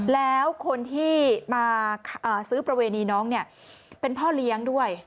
แล้วคนที่มาซื้อประเวณีน้องเนี่ยเป็นพ่อเลี้ยงด้วย